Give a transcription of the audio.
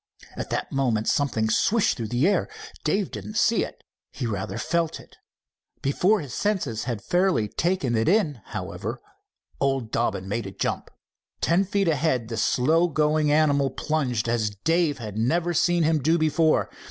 At that moment something swished through the air. Dave did not see it, he rather felt it. Before his senses had fairly taken it in, however, old Dobbin made a jump. Ten feet ahead the slow going animal plunged, as Dave had never seen him do before.